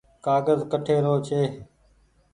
ڪآگز ڪٺي رو ڇي ۔